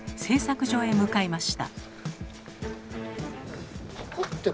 製作所へ向かいました。